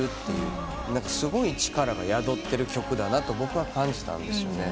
すごい力が宿ってる曲だなと僕は感じたんですよね。